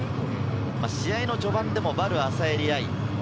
試合の序盤でもヴァル・アサエリ愛。